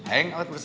yang awet bersama